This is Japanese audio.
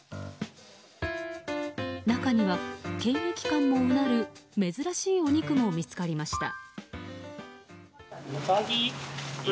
中には検疫官もうなる珍しいお肉も見つかりました。